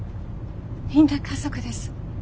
みんな家族です。